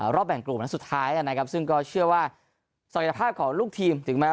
รอบแบ่งกลุ่มนัดสุดท้ายนะครับซึ่งก็เชื่อว่าศักยภาพของลูกทีมถึงแม้